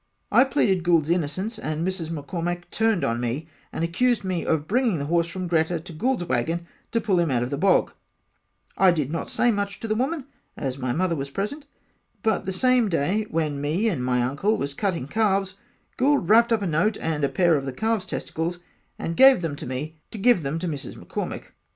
I pleaded Goulds innocence and Mrs McCormack turned on me and accused me of bringing the horse from Greta to Goolds waggon to pull him out of the bog I did not say much to the woman as my Mother was present but that same day me and my uncle was cutting calves Gould wrapped up a note and a pair of the calves testicles and gave them to me to give them to Mrs McCormack.